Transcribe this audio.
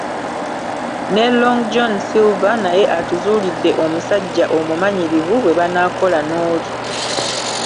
Ne Long John Silver naye atuzuulidde omusajja omumanyirivu bwe banaakola n'oli.